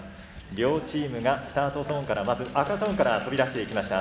両チームがスタートゾーンからまず赤ゾーンから飛び出していきました。